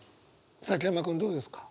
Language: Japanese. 崎山君どうですか？